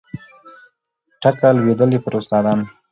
ټکه لوېدلې پر استادانو